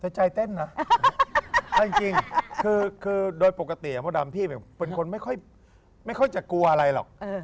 แต่ใจเต้นนะเอาจริงคือโดยปกติมดดำพี่เป็นคนไม่ค่อยจะกลัวอะไรหรอก